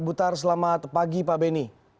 butar selamat pagi pak beni